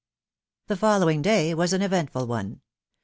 The following day was antvrentful one.